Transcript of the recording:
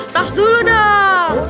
tos dulu dong